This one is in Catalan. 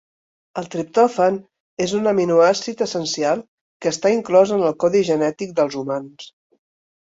El triptòfan és un aminoàcid essencial que està inclòs en el codi genètic dels humans.